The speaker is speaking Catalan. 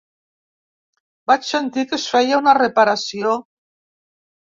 Vaig sentir que es feia una reparació.